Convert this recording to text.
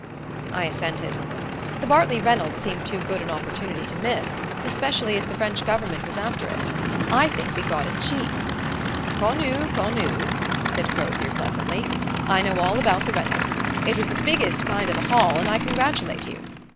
I assented. "The Bartley Reynolds seemed too good an opportunity to miss, especially as the French government was after it. I think we got it cheap " "Connu, connu" said Crozier pleasantly. "I know all about the Reynolds. It was the biggest kind of a haul and I congratulate you.